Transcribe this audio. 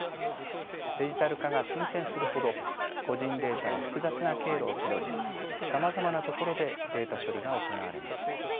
デジタル化が進展するほど個人データは複雑な経路をたどりさまざまなところでデータ処理が行われます。